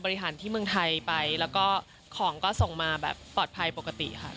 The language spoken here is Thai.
ที่เมืองไทยไปแล้วก็ของก็ส่งมาแบบปลอดภัยปกติค่ะ